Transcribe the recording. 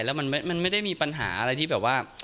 แล้วมันไม่ได้มีปัญหาอะไรที่แบบว่า